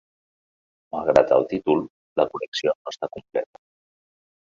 Malgrat el títol, la col·lecció no està completa.